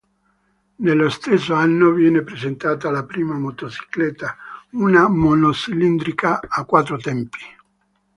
Nello stesso anno viene presentata la prima motocicletta, una monocilindrica a quattro tempi.